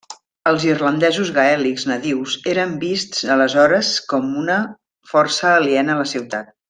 Els irlandesos gaèlics nadius eren vists aleshores com a una força aliena a la ciutat.